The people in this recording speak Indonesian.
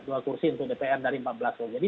dua kursi untuk dpr dari empat belas jadi